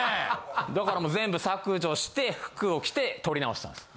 だからもう全部削除して服を着て撮りなおしたんです。